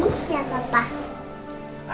ini siapa pak